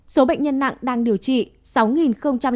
số bệnh nhân nặng đang điều trị sáu sáu ca